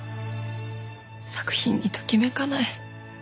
作品にときめかない。